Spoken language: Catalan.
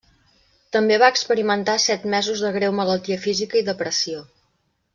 També va experimentar set mesos de greu malaltia física i depressió.